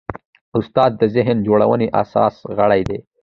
استاد د ذهن جوړونې اساسي غړی دی.